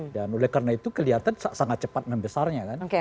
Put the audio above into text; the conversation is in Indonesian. dan oleh karena itu kelihatan sangat cepat membesarnya kan